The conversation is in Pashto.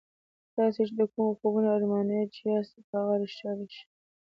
تاسې چې د کومو خوبونو ارمانجن یاست هغه به رښتیا شي